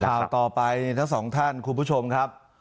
ข่าวต่อไปทั้งสองท่านคุณผู้ชมครับ